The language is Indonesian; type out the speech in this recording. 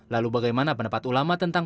lalu bagaimana pendapat ulama tentang